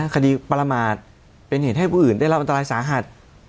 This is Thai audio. คดีประมาทเป็นเหตุให้ผู้อื่นได้รับอัตรายสาหรัฐเป็นคดีความผิดอายอมความไม่ได้ครับ